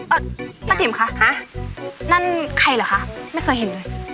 เอ่อนักหยิมค่ะฮะนั่นใครเหรอคะไม่เคยเห็นเลย